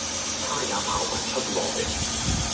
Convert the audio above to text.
他也跑不出來